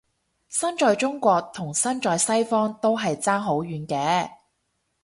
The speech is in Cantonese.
身在中國同身在西方都係爭好遠嘅